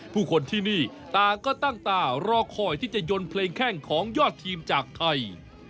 ผู้คนที่นี่ต่างก็ตั้งตารอคอยที่จะยนต์เพลงแข้งของยอดทีมจากไทย